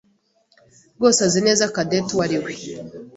rwose azi neza Cadette uwo ari we.